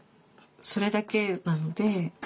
それだけなので。